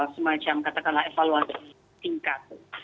semacam katakanlah evaluasi tingkat